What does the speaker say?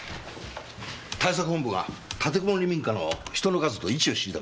対策本部が立てこもり民家の人の数と位置を知りたがってる。